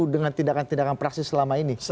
dengan tindakan tindakan praksi selama ini